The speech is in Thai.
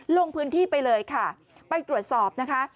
ลงพื้นที่ไปเลยค่ะไปตรวจสอบนะคะ